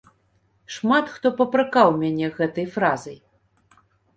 Шмат хто папракаў мяне гэтай фразай.